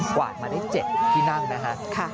กว่ามาได้๗ที่นั่งนะครับ